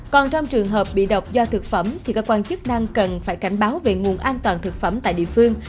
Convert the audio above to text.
còn trong trường hợp bị độc do thực phẩm thì cơ quan chức năng cần phải cảnh báo về nguồn an toàn thực phẩm tại địa phương